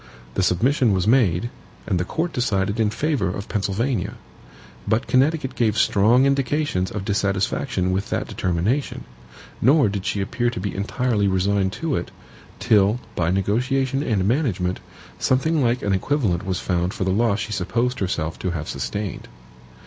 The submission was made, and the court decided in favor of Pennsylvania. But Connecticut gave strong indications of dissatisfaction with that determination; nor did she appear to be entirely resigned to it, till, by negotiation and management, something like an equivalent was found for the loss she supposed herself to have sustained.